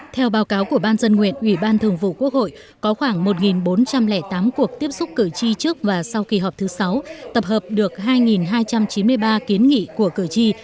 theo báo cáo của ban dân nguyện ubnd có khoảng một bốn trăm linh tám cuộc tiếp xúc cử tri trước và sau kỳ họp thứ sáu tập hợp được hai hai trăm chín mươi ba kiến nghị của cử tri